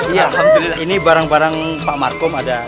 iya alhamdulillah ini barang barang pak markom ada